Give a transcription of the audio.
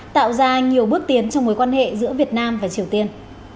tạo ra nhiều bước tiến trong mối quan hệ giữa việt nam và triều tiên